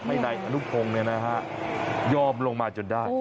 ให้นายอนุพงศ์ยอมลงมาจนได้